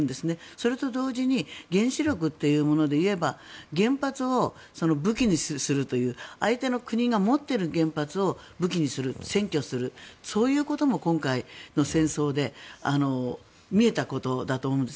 それと同時に原子力というものでいえば原発を武器にするという相手の国が持っている原発を武器にする占拠するそういうことも今回の戦争で見えたことだと思うんです。